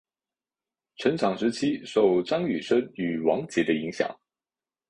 成长时期受张雨生与王杰的影响。